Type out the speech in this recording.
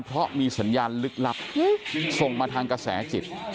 เพราะมีสัญญาณลึกลับส่งมาทางกระแสจิต